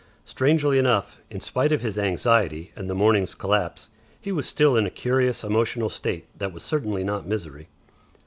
Strangely enough, in spite of his anxiety and the morning's collapse, he was still in a curious emotional state that was certainly not misery.